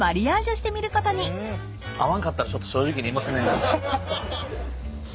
合わんかったらちょっと正直に言いますね。